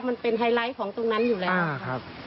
มันเป็นไฮไลท์ของตรงนั้นอยู่แล้ว